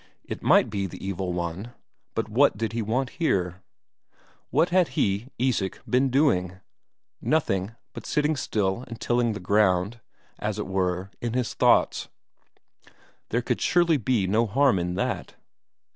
It might be the Evil One but what did he want here? What had he, Isak, been doing? Nothing but sitting still and tilling the ground, as it were, in his thoughts there could surely be no harm in that?